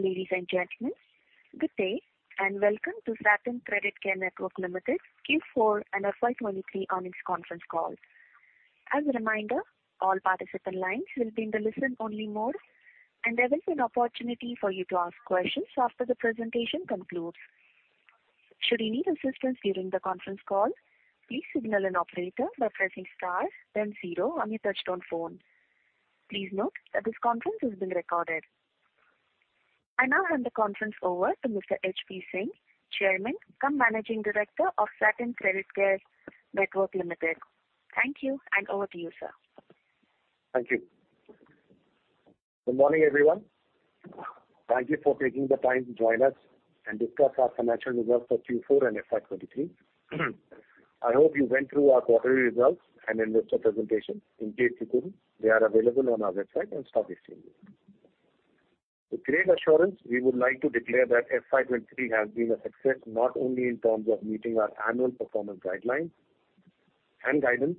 Ladies and gentlemen, good day and welcome to Satin Creditcare Network Limited Q4 and FY2023 earnings conference call. As a reminder, all participant lines will be in the listen-only mode, and there will be an opportunity for you to ask questions after the presentation concludes. Should you need assistance during the conference call, please signal an operator by pressing star then zero on your touchtone phone. Please note that this conference is being recorded. I now hand the conference over to Mr. HP Singh, Chairman cum Managing Director of Satin Creditcare Network Limited. Thank you, and over to you, sir. Thank you. Good morning, everyone. Thank you for taking the time to join us and discuss our financial results for Q4 and FY 2023. I hope you went through our quarterly results and investor presentation. In case you couldn't, they are available on our website and stock exchanges. With great assurance, we would like to declare that FY 2023 has been a success, not only in terms of meeting our annual performance guidelines and guidance,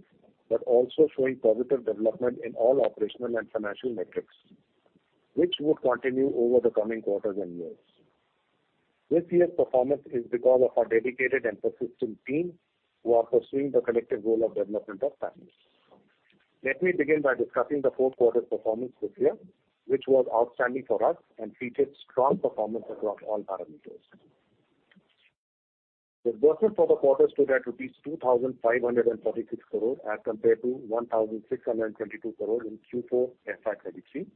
but also showing positive development in all operational and financial metrics, which would continue over the coming quarters and years. This year's performance is because of our dedicated and persistent team who are pursuing the collective goal of development of families. Let me begin by discussing the fourth quarter's performance this year, which was outstanding for us and featured strong performance across all parameters. Disbursement for the quarter stood at 2,536 crore as compared to 1,622 crore in Q4 FY23,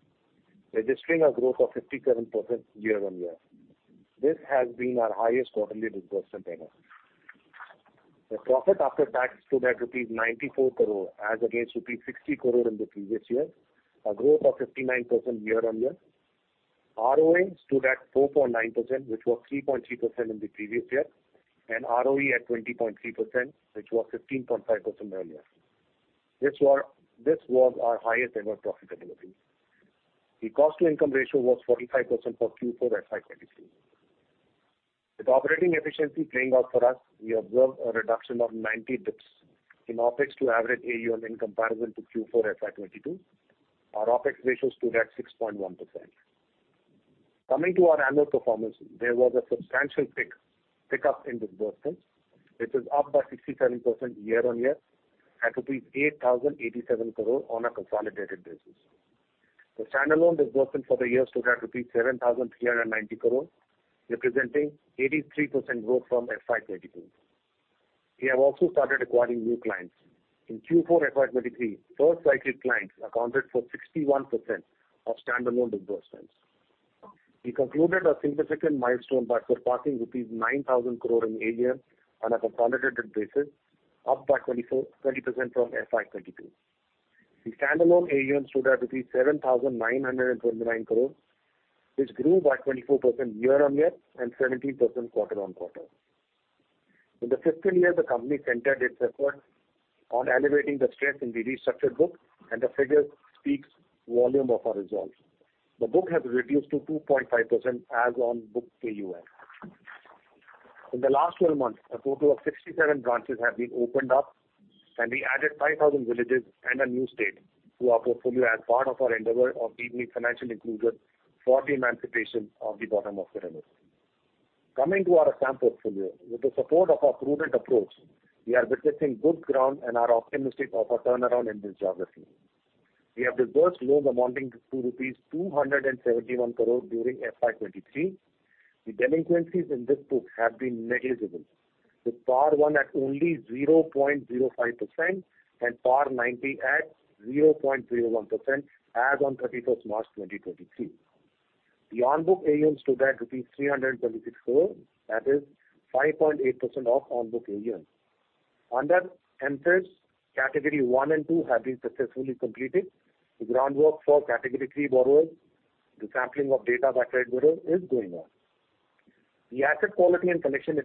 registering a growth of 57% year-on-year. This has been our highest quarterly disbursement ever. The profit after tax stood at rupees 94 crore as against rupees 60 crore in the previous year, a growth of 59% year-on-year. ROA stood at 4.9%, which was 3.3% in the previous year, and ROE at 20.3%, which was 15.5% earlier. This was our highest ever profitability. The cost-to-income ratio was 45% for Q4 FY23. With operating efficiency playing out for us, we observed a reduction of 90 bps in OpEx to average AUM in comparison to Q4 FY22. Our OpEx ratio stood at 6.1%. Coming to our annual performance, there was a substantial pickup in disbursements, which is up by 67% year-on-year at 8,087 crore on a consolidated basis. The standalone disbursement for the year stood at rupees 7,390 crore, representing 83% growth from FY 2022. We have also started acquiring new clients. In Q4 FY 2023, first-cycle clients accounted for 61% of standalone disbursements. We concluded a significant milestone by surpassing rupees 9,000 crore in AUM on a consolidated basis, up by 24%... 20% from FY 2022. The standalone AUM stood at rupees 7,929 crore, which grew by 24% year-on-year and 17% quarter-on-quarter. In the fiscal year, the company centered its efforts on elevating the strength in the restructured book and the figure speaks volume of our results. The book has reduced to 2.5% as on book AUM. In the last 12 months, a total of 67 branches have been opened up, and we added 5,000 villages and a new state to our portfolio as part of our endeavor of giving financial inclusion for the emancipation of the bottom of the pyramid. Coming to our Assam portfolio, with the support of our prudent approach, we are witnessing good ground and are optimistic of a turnaround in this geography. We have disbursed loans amounting to rupees 271 crore during FY23. The delinquencies in this book have been negligible, with PAR 1 at only 0.05% and PAR 90 at 0.01% as on 31st March 2023. The on-book AUM stood at rupees 326 crore, that is 5.8% of on-book AUM. Under NSAS, category 1 and 2 have been successfully completed. The groundwork for category 3 borrowers, the sampling of data by credit bureau is going on. The asset quality and collection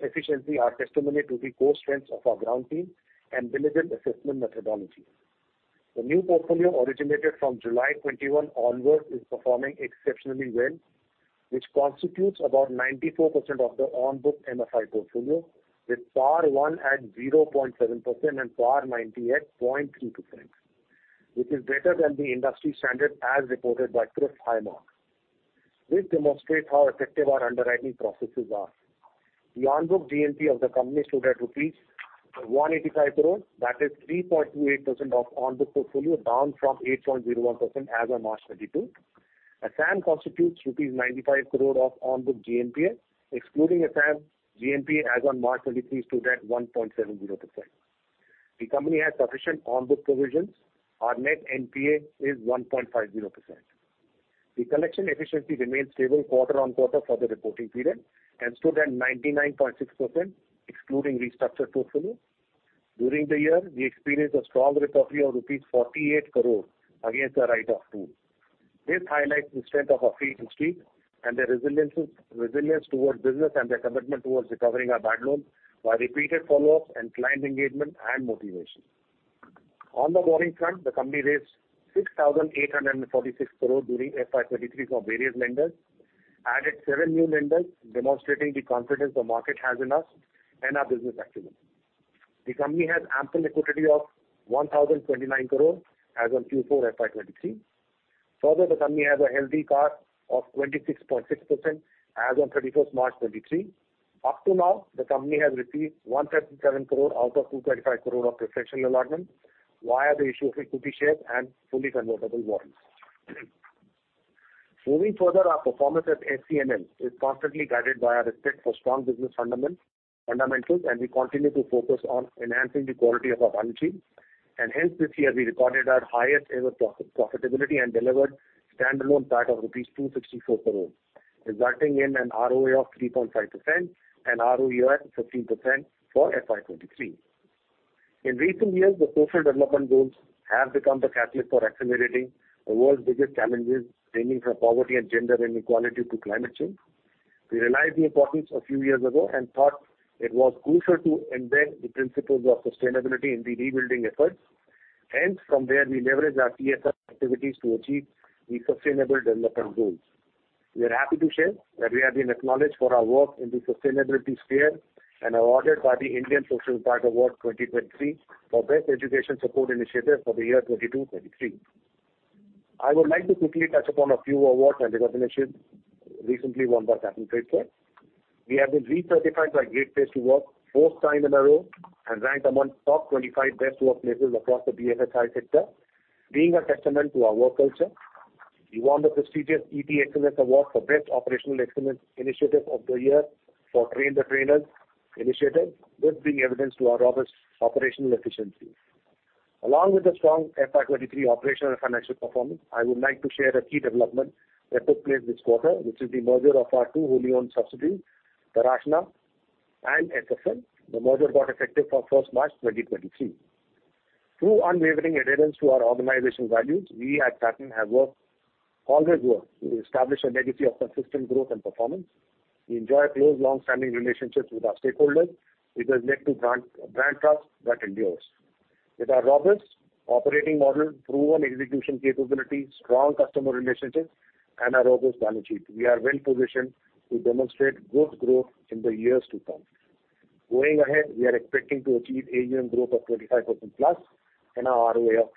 efficiency are testimony to the core strengths of our ground team and diligent assessment methodology. The new portfolio originated from July 2021 onwards is performing exceptionally well, which constitutes about 94% of the on-book MFI portfolio, with PAR 1 at 0.7% and PAR 90 at 0.32%, which is better than the industry standard as reported by CRIF High Mark. This demonstrates how effective our underwriting processes are. The on-book GNPA of the company stood at rupees 185 crore, that is 3.28% of on-book portfolio, down from 8.01% as on March 2022. Assam constitutes INR 95 crore of on-book GNPA. Excluding Assam, GNPA as on March 2023 stood at 1.70%. The company has sufficient on-book provisions. Our net NPA is 1.50%. The collection efficiency remained stable quarter-on-quarter for the reporting period and stood at 99.6% excluding restructured portfolio. During the year, we experienced a strong recovery of rupees 48 crore against the write-off too. This highlights the strength of our field street and their resilience towards business and their commitment towards recovering our bad loans by repeated follow-ups and client engagement and motivation. On the borrowing front, the company raised 6,846 crore during FY23 from various lenders, added seven new lenders, demonstrating the confidence the market has in us and our business activities. The company has ample liquidity of 1,029 crore as on Q4 FY23. The company has a healthy CAR of 26.6% as on 31st March 2023. Up to now, the company has received 137 crore out of 225 crore of professional allotment via the issue of equity shares and fully convertible warrants. Our performance at SCNL is constantly guided by our respect for strong business fundamentals, and we continue to focus on enhancing the quality of our balance sheet. Hence, this year we recorded our highest ever profitability and delivered standalone PAT of rupees 264 crore, resulting in an ROA of 3.5% and ROE at 15% for FY 2023. In recent years, the social development goals have become the catalyst for accelerating the world's biggest challenges, ranging from poverty and gender inequality to climate change. We realized the importance a few years ago and thought it was crucial to embed the principles of sustainability in the rebuilding efforts. Hence, from there we leveraged our CSR activities to achieve the sustainable development goals. We are happy to share that we have been acknowledged for our work in the sustainability sphere and awarded by the Indian Social Impact Award 2023 for Best Education Support Initiative for the year 2022-2023. I would like to quickly touch upon a few awards and recognitions recently won by Satin Finserv. We have been recertified by Great Place To Work fourth time in a row and ranked among top 25 best workplaces across the BFSI sector, being a testament to our work culture. We won the prestigious ET Excellence Award for Best Operational Excellence Initiative of the Year for Train the Trainers initiative, this being evidence to our robust operational efficiency. Along with the strong FY 23 operational and financial performance, I would like to share a key development that took place this quarter, which is the merger of our two wholly owned subsidiaries, Taraashna and SHFL. The merger got effective for first March 2023. Through unwavering adherence to our organization values, we at Satin have always worked to establish a legacy of consistent growth and performance. We enjoy close long-standing relationships with our stakeholders, which has led to brand trust that endures. With our robust operating model, proven execution capabilities, strong customer relationships, and our robust balance sheet, we are well positioned to demonstrate good growth in the years to come. We are expecting to achieve AUM growth of 25%+ and our ROA of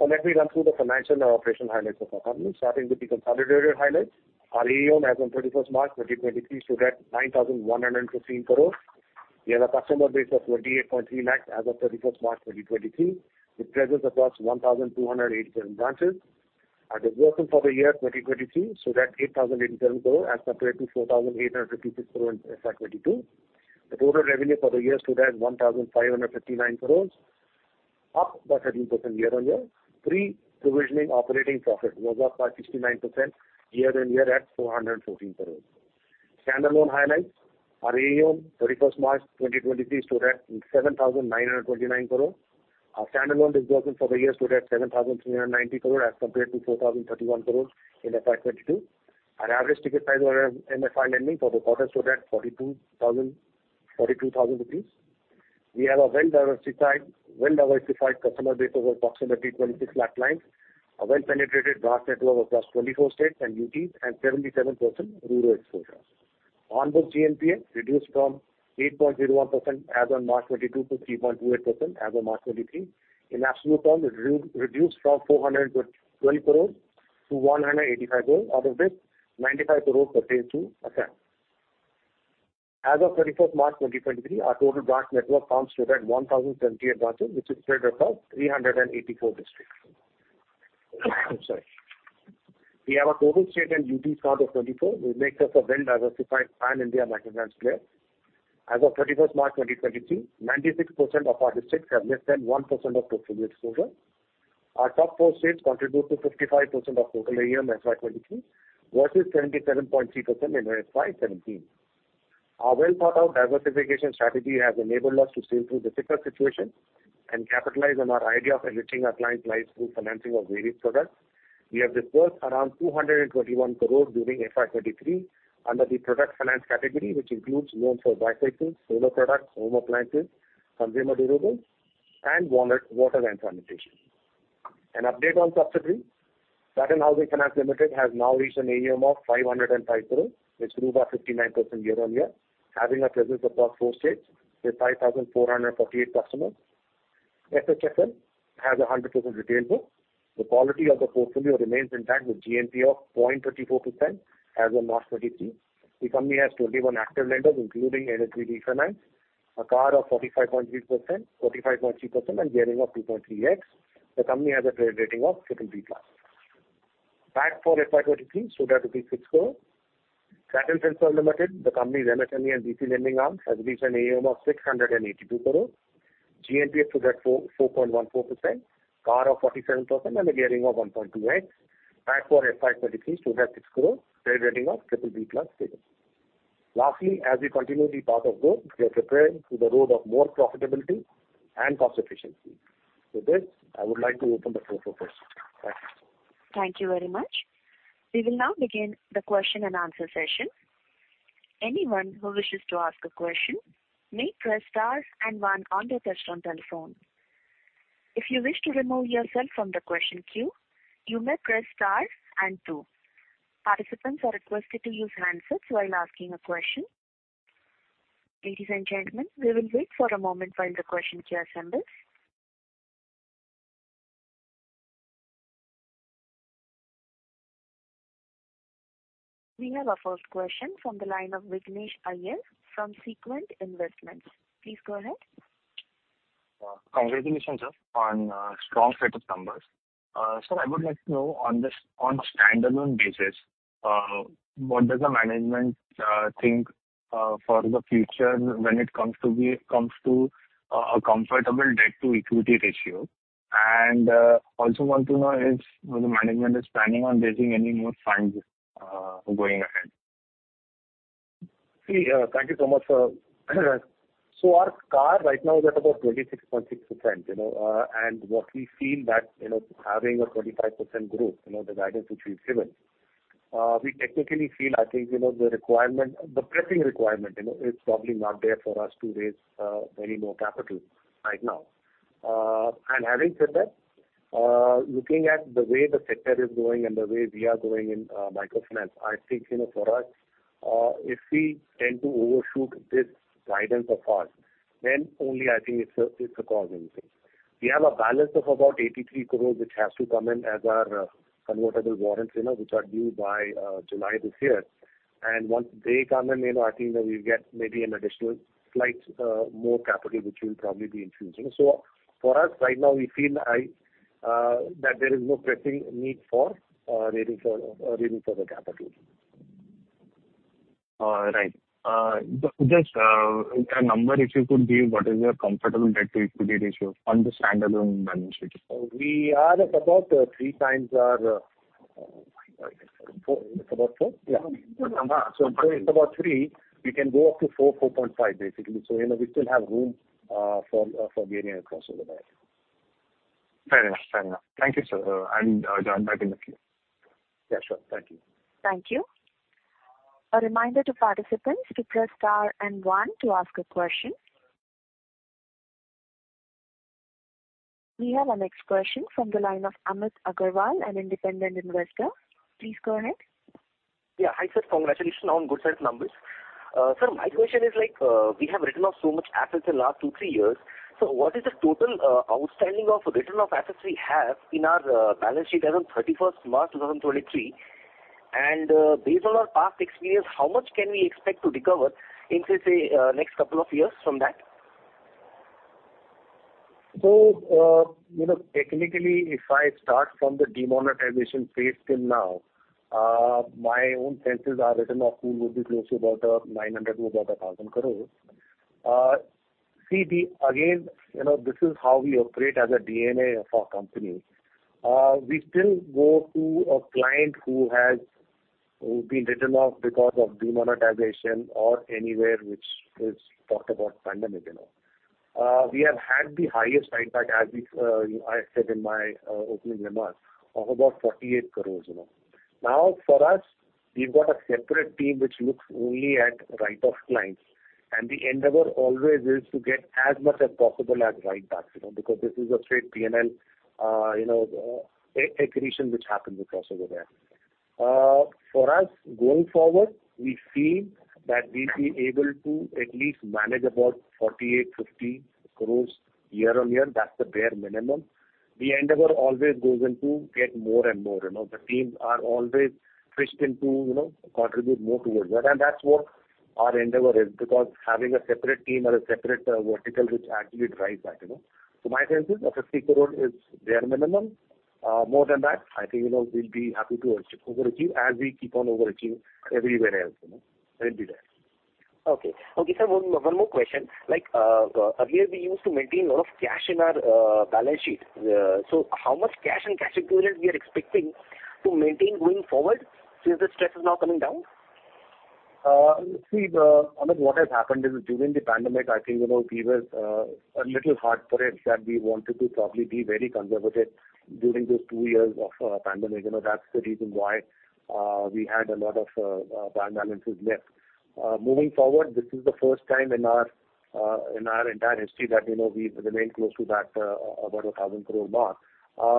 3.5%+. Let me run through the financial and operational highlights of our company, starting with the consolidated highlights. Our AUM as on 31st March 2023 stood at 9,115 crore. We have a customer base of 48.3 lakhs as of 31st March 2023, with presence across 1,287 branches. Our disbursements for the year 2023 stood at 8,087 crore as compared to 4,856 crore in FY 2022. The total revenue for the year stood at 1,559 crore, up by 13% year-on-year. Pre-provisioning operating profit was up by 69% year-on-year at 414 crore. Standalone highlights. Our AUM 31st March 2023 stood at 7,929 crore. Our standalone disbursements for the year stood at 7,390 crore as compared to 4,031 crore in FY 2022. Our average ticket size on our MFI lending for the quarter stood at 42,000. We have a well-diversified customer base of approximately 26 lakh clients, a well-penetrated branch network across 24 states and UTs, and 77% rural exposure. On-book GNPA reduced from 8.01% as on March 2022 to 3.28% as on March 2023. In absolute terms, it re-reduced from 412 crores to 185 crores. Out of this, 95 crores pertained to SFL. As of March 31, 2023, our total branch network counts stood at 1,078 branches, which is spread across 384 districts. I'm sorry. We have a total state and UT count of 24, which makes us a well-diversified pan-India microfinance player. As of March 31, 2023, 96% of our districts have less than 1% of portfolio exposure. Our top 4 states contribute to 55% of total AUM FY 2023 versus 77.3% in FY 2017. Our well-thought-out diversification strategy has enabled us to sail through difficult situations and capitalize on our idea of enriching our client lives through financing of various products. We have disbursed around 221 crore during FY 2023 under the product finance category, which includes loans for bicycles, solar products, home appliances, consumer durables, and water and sanitation. An update on subsidiaries. Satin Housing Finance Limited has now reached an AUM of 505 crore, which grew by 59% year-on-year, having a presence across four states with 5,448 customers. SHFL has a 100% retail book. The quality of the portfolio remains intact with GNPA of 0.34% as of March 2023. The company has 21 active lenders, including NHB Finance, a CAR of 45.3%, and gearing of 2.3x. The company has a credit rating of BBB+. PAT for FY 2023 stood at 6 crore. Satin Finserv Limited, the company's MSME and BC lending arm, has reached an AUM of 682 crore. GNPA stood at 4.14%, CAR of 47%, and a gearing of 1.2x. PAT for FY 2023 stood at INR 6 crore. Credit rating of BBB+ stable. Lastly, as we continue the path of growth, we are prepared for the road of more profitability and cost efficiency. With this, I would like to open the floor for questions. Thank you. Thank you very much. We will now begin the question and answer session. Anyone who wishes to ask a question may press star 1 on their touchtone telephone. If you wish to remove yourself from the question queue, you may press star 2. Participants are requested to use handsets while asking a question. Ladies and gentlemen, we will wait for a moment while the question queue assembles. We have our first question from the line of Vignesh Iyer from Sequent Investments. Please go ahead. Congratulations on strong set of numbers. Sir, I would like to know on this, on standalone basis, what does the management think for the future when it comes to a comfortable debt-to-equity ratio? Also want to know if the management is planning on raising any more funds going ahead. See, thank you so much, sir. Our CAR right now is at about 26.6%, you know. What we feel that, you know, having a 25% growth, you know, the guidance which we've given, we technically feel I think, you know, the requirement, the pressing requirement, you know, is probably not there for us to raise any more capital right now. Having said that, looking at the way the sector is growing and the way we are growing in microfinance, I think, you know, for us, if we tend to overshoot this guidance of ours, then only I think it's a cause and thing. We have a balance of about 83 crores which has to come in as our convertible warrants, you know, which are due by July this year. Once they come in, you know, I think that we'll get maybe an additional slight, more capital which will probably be infused, you know. For us right now we feel, that there is no pressing need for, raising further capital. Right. Just a number if you could give, what is your comfortable debt-to-equity ratio on the standalone management? We are at about 3 times our 4. It's about 4? Yeah. It's about 3. We can go up to 4.5, basically. You know, we still have room, for varying across over there. Fair enough. Fair enough. Thank you, sir. I'm done. Back in the queue. Yeah, sure. Thank you. Thank you. A reminder to participants to press star and one to ask a question. We have our next question from the line of Amit Agarwal, an independent investor. Please go ahead. Hi, sir. Congratulations on good set of numbers. Sir, my question is like, we have written off so much assets in last two, three years. What is the total outstanding of written off assets we have in our balance sheet as on 31st March 2023? Based on our past experience, how much can we expect to recover in, say, next couple of years from that? You know, technically, if I start from the demonetization phase till now, my own senses are written off, who would be close to about 900 crore-1,000 crore. See. Again, you know, this is how we operate as a DNA of our company. We still go to a client who has been written off because of demonetization or anywhere which is talked about pandemic, you know. We have had the highest write back, as I said in my opening remarks of about 48 crore, you know. Now, for us, we've got a separate team which looks only at write-off clients. The endeavor always is to get as much as possible as write backs, you know, because this is a straight PNL, you know, accretion which happens across over there. For us, going forward, we feel that we'll be able to at least manage about 48-50 crores year on year. That's the bare minimum. The endeavor always goes into get more and more, you know. The teams are always fished into, you know, contribute more towards that. That's what our endeavor is, because having a separate team or a separate, vertical which actually drives that, you know. So my sense is an 50 crore is bare minimum. More than that, I think, you know, we'll be happy to overachieve as we keep on overachieving everywhere else, you know. It'll be there. Okay. Okay, sir, one more question. Like, earlier we used to maintain a lot of cash in our balance sheet. How much cash and cash equivalents we are expecting to maintain going forward since the stress is now coming down? See, Amit, what has happened is during the pandemic, I think, you know, we were a little hard-pressed that we wanted to probably be very conservative during those two years of pandemic. You know, that's the reason why we had a lot of balances left. Moving forward, this is the first time in our entire history that, you know, we remain close to that about an 1,000 crore mark.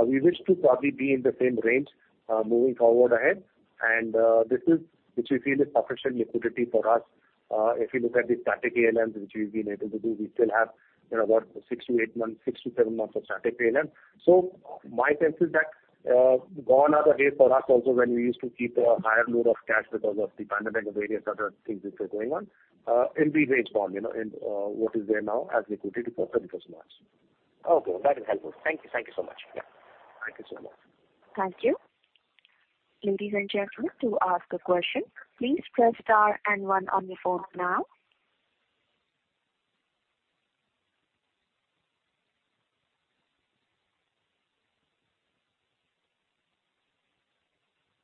We wish to probably be in the same range moving forward ahead. This is which we feel is sufficient liquidity for us. If you look at the static ALMs which we've been able to do, we still have, you know, about six to eight months, six to seven months of static ALM. My sense is that, gone are the days for us also when we used to keep a higher load of cash because of the pandemic and various other things which were going on. It remains gone, you know, and, what is there now as liquidity for 30 plus months. Okay. That is helpful. Thank you. Thank you so much. Yeah. Thank you so much. Thank you. Ladies and gentlemen, to ask a question, please press star and one on your phone now.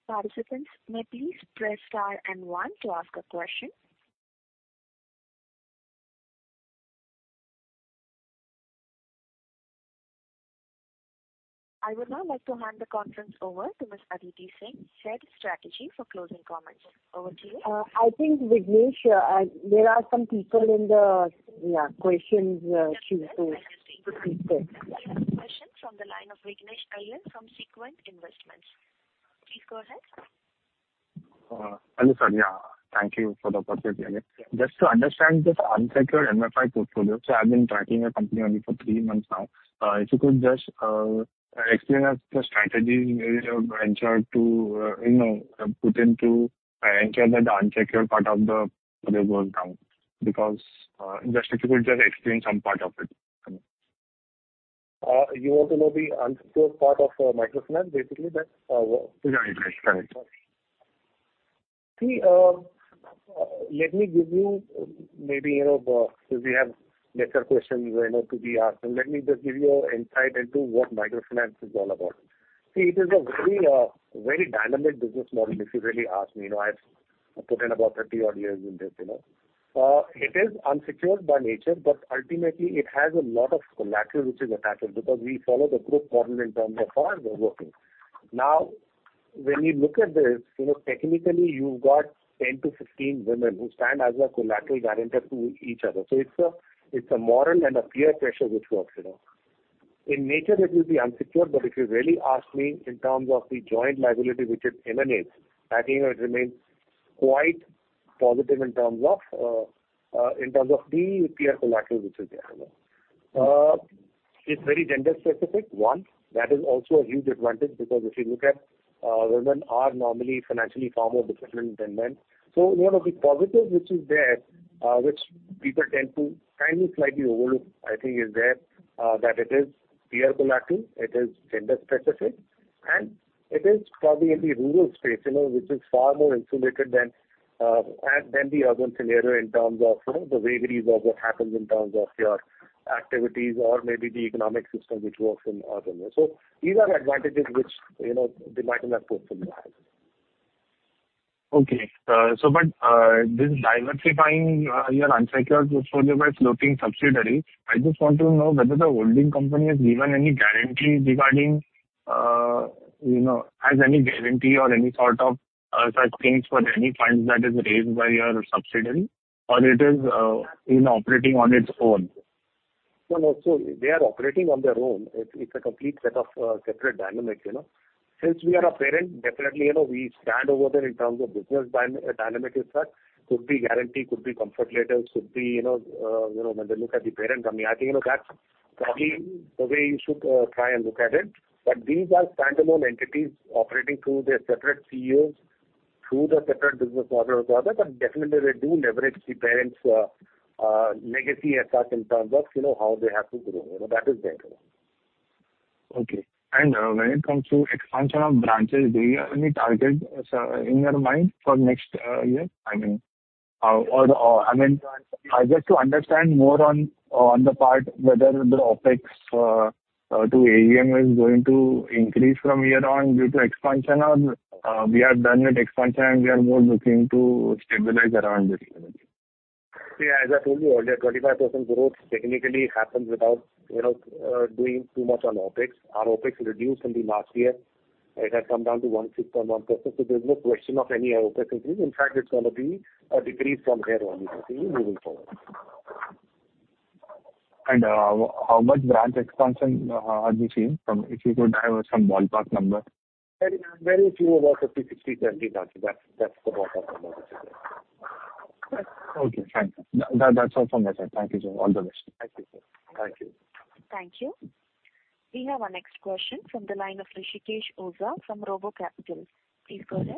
Participants, may please press star and one to ask a question. I would now like to hand the conference over to Ms. Aditi Singh, Head of Strategy, for closing comments. Over to you. I think, Vignesh, there are some people in the, yeah, questions, queue to be taken. We have a question from the line of Vignesh Iyer from Sequent Investments. Please go ahead. Hello, sir. Thank you for the opportunity. Just to understand this unsecured MFI portfolio. I've been tracking your company only for 3 months now. If you could just explain us the strategy where you have ventured to, you know, put into and carry the unsecured part of your loan now. Just if you could explain some part of it. You want to know the unsecured part of microfinance basically that. Yeah, yeah. Correct. See, let me give you maybe, you know, since we have better questions, you know, to be asked, so let me just give you an insight into what microfinance is all about. See, it is a very, very dynamic business model, if you really ask me. You know, I've put in about 30-odd years in this, you know. It is unsecured by nature, but ultimately it has a lot of collateral which is attached because we follow the group model in terms of how we're working. When you look at this, you know, technically you've got 10 to 15 women who stand as a collateral guarantor to each other. It's a moral and a peer pressure which works, you know. In nature it will be unsecured, if you really ask me in terms of the joint liability which it emanates, I think it remains quite positive in terms of, in terms of the peer collateral which is there, you know. It's very gender-specific, one. That is also a huge advantage because if you look at, women are normally financially far more disciplined than men. You know, the positive which is there, which people tend to kind of slightly overlook, I think, is there, that it is peer collateral, it is gender-specific, and it is probably in the rural space, you know, which is far more insulated than the urban scenario in terms of, you know, the vagaries of what happens in terms of your activities or maybe the economic system which works in urban areas. These are advantages which, you know, the microfinance portfolio has. This diversifying your unsecured portfolio by floating subsidiary, I just want to know whether the holding company has given any guarantee regarding, you know, has any guarantee or any sort of such things for any funds that is raised by your subsidiary or it is, you know, operating on its own? They are operating on their own. It's a complete set of separate dynamics, you know. Since we are a parent, definitely, you know, we stand over there in terms of business dynamic effect. Could be guarantee, could be comfort letters, could be, you know, you know, when they look at the parent company, I think, you know, that's probably the way you should try and look at it. These are standalone entities operating through their separate CEOs, through their separate business models also. Definitely they do leverage the parent's legacy assets in terms of, you know, how they have to grow. You know, that is there. Okay. When it comes to expansion of branches, do you have any targets, sir, in your mind for next year? I mean, or, I mean, just to understand more on the part whether the OpEx to AUM is going to increase from here on due to expansion or we are done with expansion and we are more looking to stabilize around this level. See, as I told you earlier, 25% growth technically happens without, you know, doing too much on OpEx. Our OpEx reduced in the last year. It has come down to 16.1%. There's no question of any OpEx increase. In fact, it's gonna be a decrease from here on, you see, moving forward. How much branch expansion are we seeing from... If you could have some ballpark number? Very, very few. About 50, 60, 70 branches. That's the ballpark number which I can give. Okay. Thank you. That's all from my side. Thank you. All the best. Thank you, sir. Thank you. Thank you. We have our next question from the line of Hrishikesh Oza from RoboCapital. Please go ahead.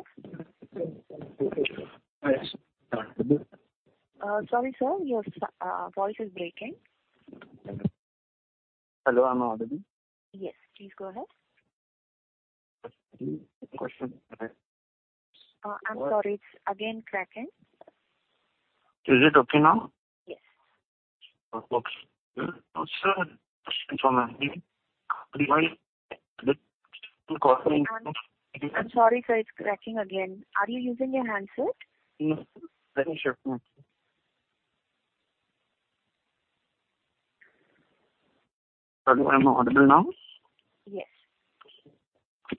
Yes. Sorry, sir. Your voice is breaking. Hello, am I audible? Yes. Please go ahead. Question. I'm sorry. It's again cracking. Is it okay now? Yes. Okay. Sir, question from my end. Provide the I'm sorry, sir. It's cracking again. Are you using a handset? No. Let me check. No. Am I audible now? Yes.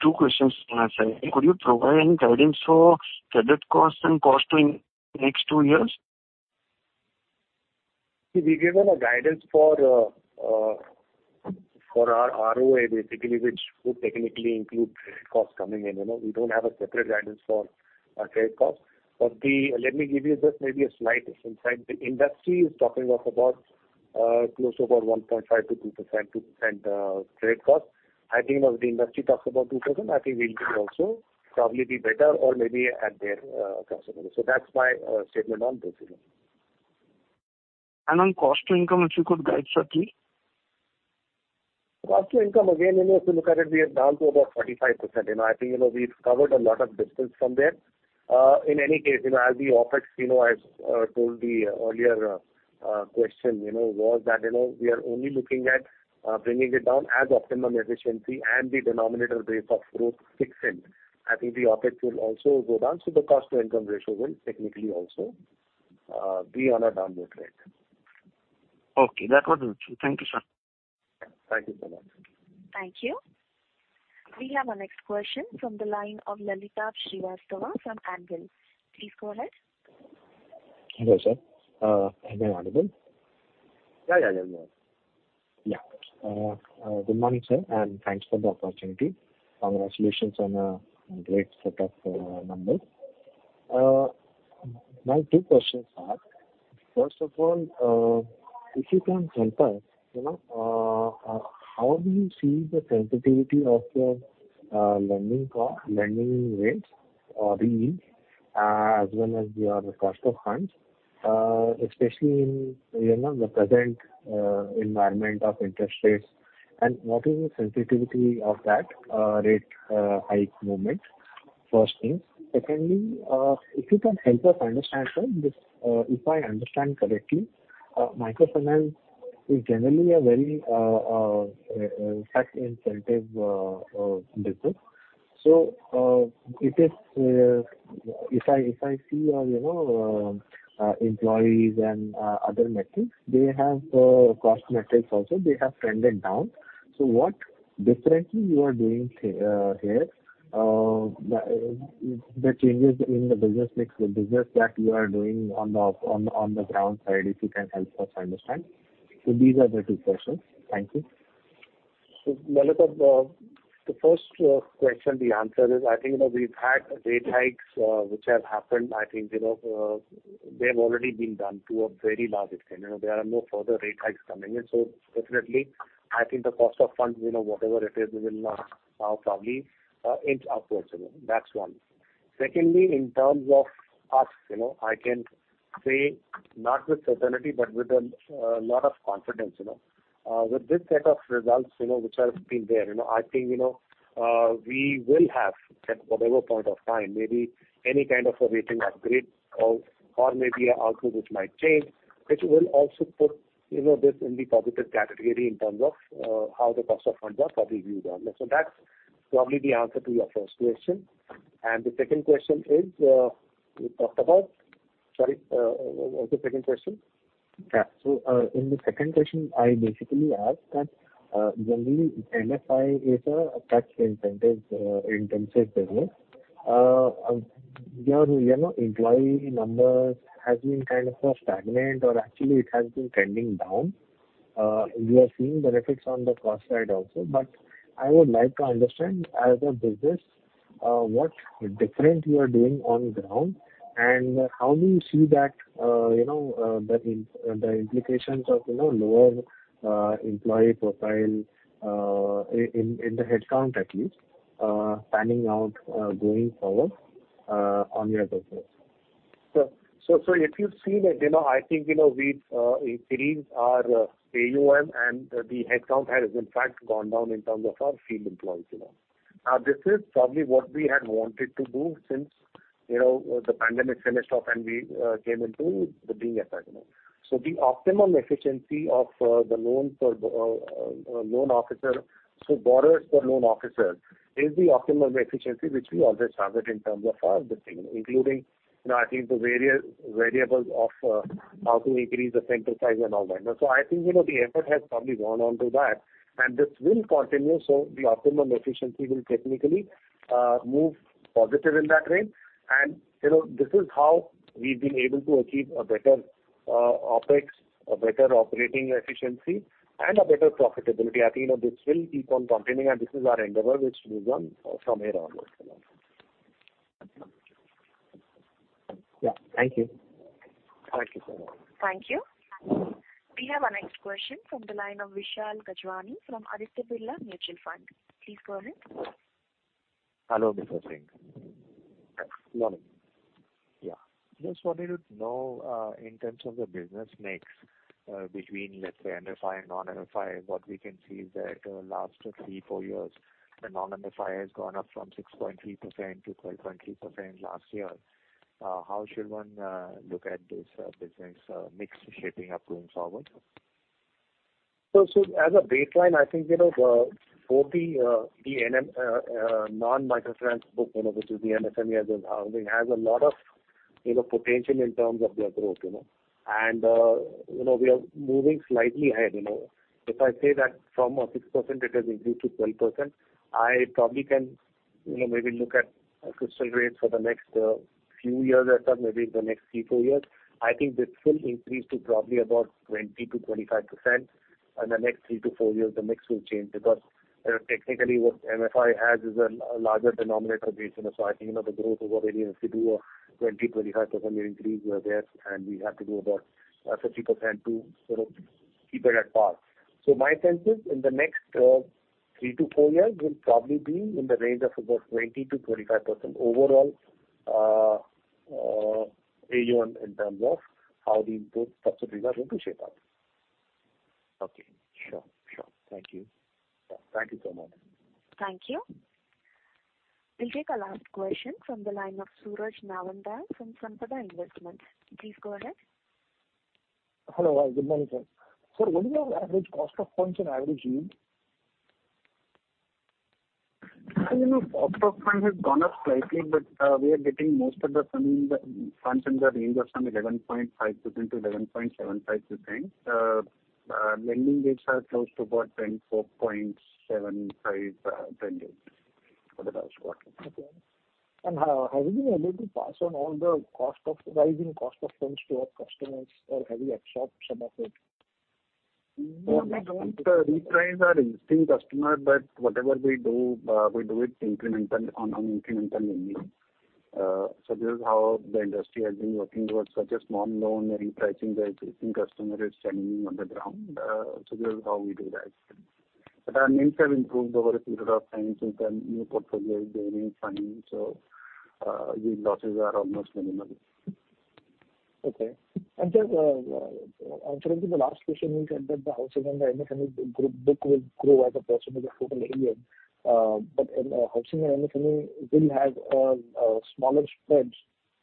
Two questions on our side. Could you provide any guidance for credit cost and cost in next two years? We've given a guidance for for our ROA basically, which would technically include credit costs coming in. You know, we don't have a separate guidance for our credit costs. Let me give you just maybe a slight insight. The industry is talking of about close to about 1.5%-2% credit cost. I think of the industry talks about 2%, I think we'll be also probably be better or maybe at their comfortably. That's my statement on this, you know. On cost to income, if you could guide, sir, please. Cost to income, again, you know, if you look at it, we are down to about 45%. You know, I think, you know, we've covered a lot of distance from there. In any case, you know, as the OpEx, you know, I've told the earlier question, you know, was that, you know, we are only looking at bringing it down as optimum efficiency and the denominator base of growth kicks in. I think the OpEx will also go down, so the cost to income ratio will technically also be on a downward trend. Okay, that was it. Thank you, sir. Thank you so much. Thank you. We have our next question from the line of Lalit Srivastava from Angel. Please go ahead. Hello, sir. Am I audible? Yeah, yeah. I can hear. Yeah. Okay. Good morning, sir, and thanks for the opportunity. Congratulations on a great set of numbers. My two questions are, first of all, if you can help us, you know, how do you see the sensitivity of your co-lending rates or the yield, as well as your cost of funds, especially in, you know, the present environment of interest rates and what is the sensitivity of that rate hike movement? First thing. Secondly, if you can help us understand, sir, this, if I understand correctly, microfinance is generally a very tax incentive business. It is, if I see your, you know, employees and other metrics, they have cost metrics also, they have trended down. What differently you are doing here, the changes in the business mix, the business that you are doing on the ground side, if you can help us understand? These are the two questions. Thank you. Lalit, the first question, the answer is, I think, you know, we've had rate hikes which have happened. I think, you know, they've already been done to a very large extent. You know, there are no further rate hikes coming in. Definitely, I think the cost of funds, you know, whatever it is, it will now probably inch upwards, you know. That's one. Secondly, in terms of us, you know, I can say not with certainty, but with a lot of confidence, you know. With this set of results, you know, which have been there, you know, I think, you know, we will have at whatever point of time maybe any kind of a rating upgrade or maybe a outlook which might change, which will also put, you know, this in the positive category in terms of how the cost of funds are probably viewed on this. That's probably the answer to your first question. The second question is, you talked about... Sorry, what's the second question? Yeah. In the second question, I basically asked that generally MFI is a tax incentive intensive business. Your, you know, employee numbers has been kind of stagnant or actually it has been trending down. We are seeing the effects on the cost side also. I would like to understand, as a business, what different you are doing on ground, and how do you see that, you know, the implications of, you know, lower employee profile in the headcount at least, panning out going forward on your business? If you see that, you know, I think, you know, we've increased our AUM and the headcount has in fact gone down in terms of our field employees, you know. This is probably what we had wanted to do since, you know, the pandemic finished off and we came into the being effect, you know. The optimum efficiency of the loan per loan officer, so borrowers per loan officer is the optimum efficiency which we always target in terms of our business, including, you know, I think the variables of how to increase the center size and all that. I think, you know, the effort has probably gone on to that, and this will continue. The optimum efficiency will technically move positive in that range. you know, this is how we've been able to achieve a better, OpEx, a better operating efficiency and a better profitability. I think, you know, this will keep on continuing and this is our endeavor which will run from here onwards, you know. Yeah. Thank you. Thank you so much. Thank you. We have our next question from the line of Vishal Gajwani from Aditya Birla Mutual Fund. Please go ahead. Hello, Mr. Singh. Good morning. Yeah. Just wanted to know, in terms of the business mix, between, let's say, MFI and non-MFI, what we can see is that, last three, four years, the non-MFI has gone up from 6.3% to 12.3% last year. How should one look at this business mix shaping up going forward? As a baseline, I think, you know, the both the non-microfinance book, you know, which is the MSME as in housing, has a lot of, you know, potential in terms of their growth. We are moving slightly ahead. If I say that from a 6% it has increased to 12%, I probably can, you know, maybe look at a crystal rate for the next few years or so, maybe in the next 3, 4 years. I think this will increase to probably about 20%-25%. In the next 3 to 4 years the mix will change because, you know, technically what MFI has is a larger denominator base. You know, I think, you know, the growth over there, if we do a 20%-25% increase, we are there. We have to do about 50% to sort of keep it at par. My sense is in the next 3-4 years, we'll probably be in the range of about 20%-25% overall AUM in terms of how the input subsidy results will shape up. Okay, sure. Sure. Thank you. Yeah. Thank you so much. Thank you. We'll take our last question from the line of Suraj Nawandhar from Sampada Investments. Please go ahead. Hello. Good morning, sir. Sir, what is your average cost of funds and average yield? You know, our top fund has gone up slightly, but we are getting most of the funds in the range of some 11.5%-11.75%. Lending rates are close to about 24.75%, ten years. Okay. Have you been able to pass on all the cost of rising cost of funds to our customers, or have you absorbed some of it? No, we don't reprice our existing customer. Whatever we do, we do it incremental, on an incremental basis. This is how the industry has been working towards such a small loan and repricing the existing customer is standing on the ground. This is how we do that. Our NIMs have improved over a period of time since our new portfolio is gaining funding, so yield losses are almost minimal. Okay. Just, and finally the last question is that the housing and the MSME group book will grow as a percentage of total AUM. In housing and MSME will have smaller spreads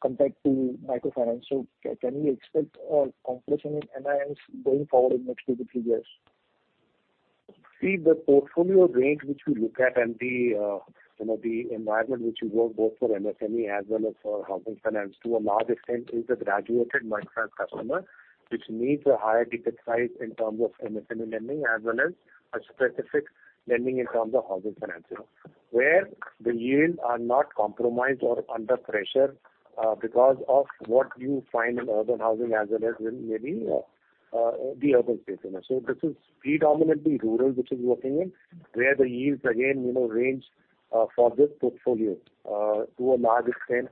compared to microfinance. Can we expect a compression in NIMs going forward in next 2-3 years? See the portfolio range which we look at and the, you know, the environment which we work both for MSME as well as for housing finance to a large extent is the graduated microfinance customer, which needs a higher ticket size in terms of MSME lending, as well as a specific lending in terms of housing finance, where the yields are not compromised or under pressure, because of what you find in urban housing as well as in maybe, the urban space. This is predominantly rural, which is working in where the yields again, you know, range for this portfolio to a large extent,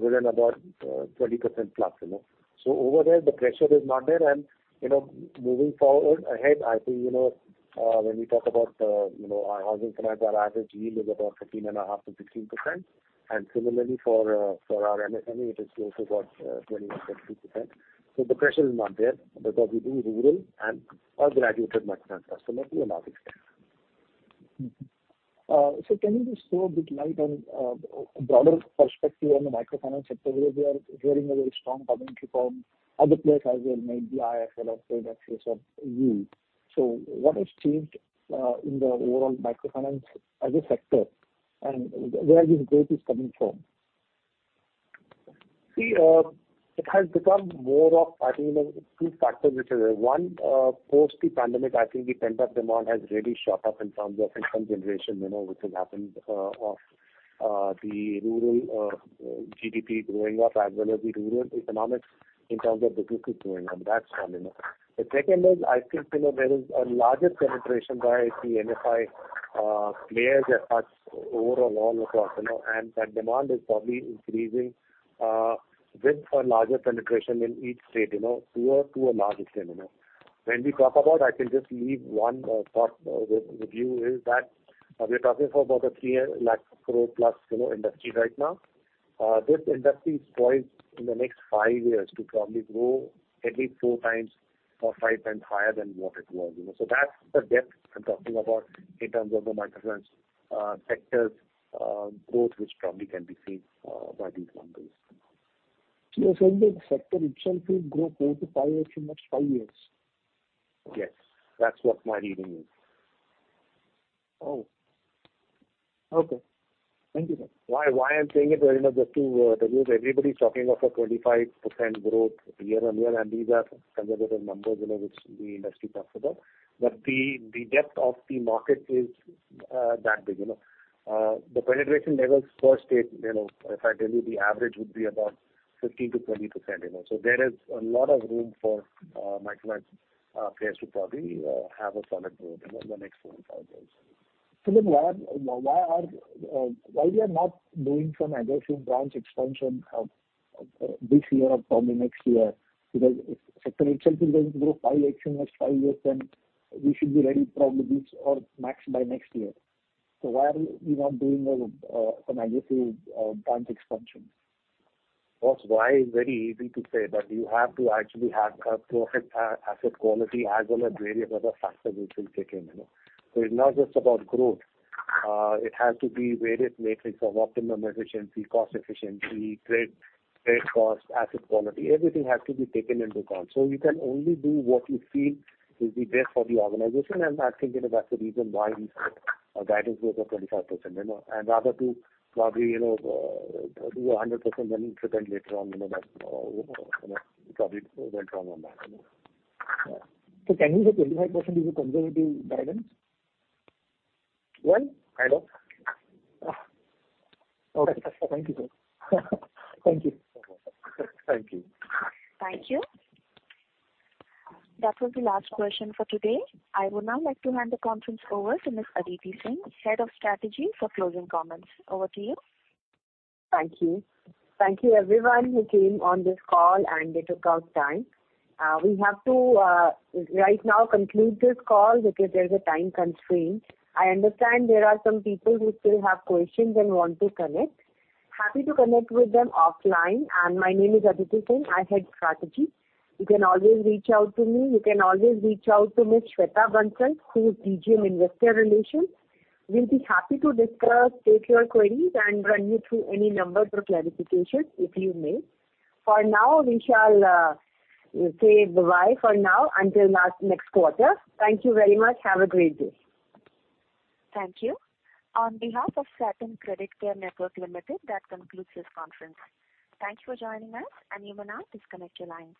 within about 20% plus, you know. Over there the pressure is not there and, you know, moving forward ahead I think, you know, when we talk about, you know, our housing finance, our average yield is about 15.5%-16%. Similarly for our MSME it is close to about, 21.2%. The pressure is not there because we do rural and a graduated microfinance customer to a large extent. can you just throw a bit light on broader perspective on the microfinance sector? We are hearing a very strong commentary from other players as well, maybe IF or trade excess of yield. what has changed in the overall microfinance as a sector and where this growth is coming from? See, it has become more of, I think, you know, two factors which are there. One, post the pandemic, I think the pent-up demand has really shot up in terms of income generation, you know, which has happened, of the rural GDP growing up, as well as the rural economics in terms of businesses growing up. That's one, you know. The second is I think, you know, there is a larger penetration by the NFI players at us overall, all across, you know, and that demand is probably increasing with a larger penetration in each state, you know, to a, to a large extent, you know. When we talk about I can just leave 1 thought with you is that we are talking for about a 300,000 crore plus, you know, industry right now. This industry is poised in the next 5 years to probably grow at least 4 times or 5 times higher than what it was, you know. That's the depth I'm talking about in terms of the microfinance sector's growth, which probably can be seen by these numbers. You are saying that the sector itself will grow four to five times in next five years? Yes. That's what my reading is. Oh, okay. Thank you, sir. Why I'm saying it very much just to, because everybody's talking of a 25% growth year-on-year, these are conservative numbers, you know, which the industry talks about. The depth of the market is that big, you know. The penetration levels per state, you know, if I tell you the average would be about 15%-20%, you know. There is a lot of room for microfinance players to probably have a solid growth in the next 4-5 years. Why we are not doing some aggressive branch expansion this year or probably next year? Because if sector itself is going to grow 5x in next five years, then we should be ready probably or max by next year. Why are we not doing some aggressive branch expansion? Of course why is very easy to say, but you have to actually have a perfect asset quality as well as various other factors which will kick in, you know. It's not just about growth, it has to be various matrix of optimum efficiency, cost efficiency, trade cost, asset quality, everything has to be taken into account. You can only do what you feel is the best for the organization. I think, you know, that's the reason why we set our guidance growth of 25%, you know, and rather to probably, you know, do 100% then trip and later on, you know, that, you know, probably went wrong on that, you know. Can we say 25% is a conservative guidance? Well, kind of. Okay. Thank you. Thank you. Thank you. Thank you. That was the last question for today. I would now like to hand the conference over to Ms. Aditi Singh, Head of Strategy, for closing comments. Over to you. Thank you. Thank you everyone who came on this call and they took out time. We have to right now conclude this call because there is a time constraint. I understand there are some people who still have questions and want to connect. Happy to connect with them offline. My name is Aditi Singh, I head Strategy. You can always reach out to me. You can always reach out to Ms. Shweta Bansal, who is DGM Investor Relations. We'll be happy to discuss, take your queries and run you through any numbers or clarifications if you may. For now, we shall say bye for now until next quarter. Thank you very much. Have a great day. Thank you. On behalf of Satin Creditcare Network Limited, that concludes this conference. Thank you for joining us, and you may now disconnect your lines.